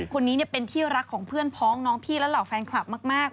คนนี้เป็นที่รักของเพื่อนพ้องน้องพี่และเหล่าแฟนคลับมาก